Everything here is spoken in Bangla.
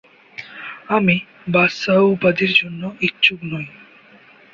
আমি বাদশাহ উপাধির জন্য ইচ্ছুক নই।